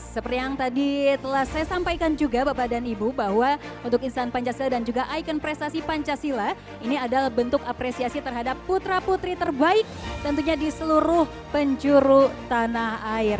seperti yang tadi telah saya sampaikan juga bapak dan ibu bahwa untuk insan pancasila dan juga ikon prestasi pancasila ini adalah bentuk apresiasi terhadap putra putri terbaik tentunya di seluruh penjuru tanah air